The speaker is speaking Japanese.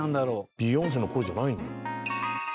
「ビヨンセの頃じゃないの？」